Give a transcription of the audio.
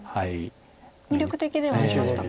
魅力的ではありましたか。